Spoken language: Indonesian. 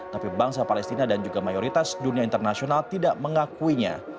tapi bangsa palestina dan juga mayoritas dunia internasional tidak mengakuinya